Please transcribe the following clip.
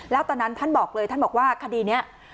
แล้วตอนนั้นท่านบอกเลยท่านบอกว่าคดีนี้